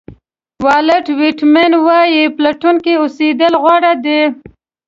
والټ وېټمن وایي پلټونکی اوسېدل غوره دي.